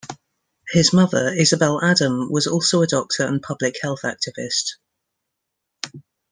His mother, Isobel Adam, was also a doctor and public health activist.